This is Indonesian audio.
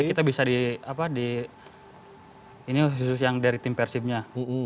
kita bisa di apa di ini khusus yang dari tim persibnya